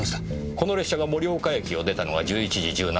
この列車が盛岡駅を出たのは１１時１７分。